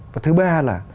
và thứ ba là